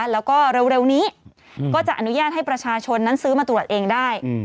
แล้วก็เร็วนี้ก็จะอนุญาตให้ประชาชนนั้นซื้อมาตรวจเองได้